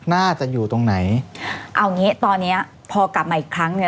น่าจะอยู่ตรงไหนเอางี้ตอนเนี้ยพอกลับมาอีกครั้งเนี้ย